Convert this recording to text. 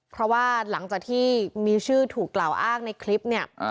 เพราะว่าหลังจากที่มีชื่อถูกกล่าวอ้างในคลิปเนี่ย